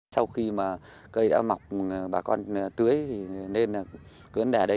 không chỉ ở huyện lục nam hiện tượng lạc chết rút cũng đã xuất hiện dài rác